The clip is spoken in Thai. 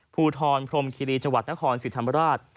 ภูทรพรมคิรีจังหวัดนครศรีธรรมราช